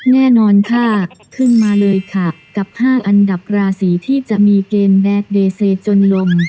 แน่นอนค่ะขึ้นมาเลยค่ะกับ๕อันดับราศีที่จะมีเกณฑ์แดดเดเซจนลม